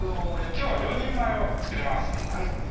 きょうは４人前を作ります